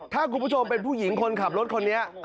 ถ้าคุณผู้ชมเป็นผู้หญิงคนขับรถคนนี้